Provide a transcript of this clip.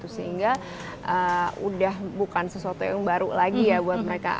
sehingga udah bukan sesuatu yang baru lagi ya buat mereka